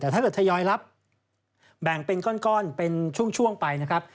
แต่ถ้าเกิดทยอยรับแบ่งเป็นก้อนเป็นช่วงไปนะครับ